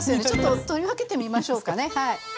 ちょっと取り分けてみましょうかねはい。